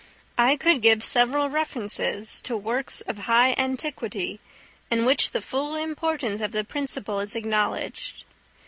I could give several references to works of high antiquity, in which the full importance of the principle is acknowledged.